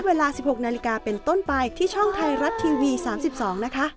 เวลา๑๖นาฬิกาเป็นต้นไปที่ช่องไทยรัฐทีวี๓๒นะคะ